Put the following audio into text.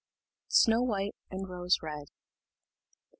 SNOW WHITE AND ROSE RED.